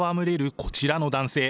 こちらの男性。